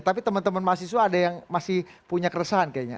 tapi teman teman mahasiswa ada yang masih punya keresahan kayaknya